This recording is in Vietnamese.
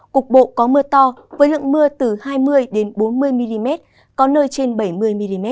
cục bộ có mưa to với lượng mưa từ hai mươi bốn mươi mm có nơi trên bảy mươi mm